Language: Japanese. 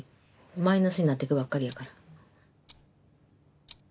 マイナスになっていくばっかりやから。